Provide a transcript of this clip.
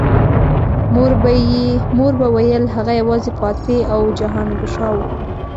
مور به ویل هغه یوازې فاتح او جهانګشا و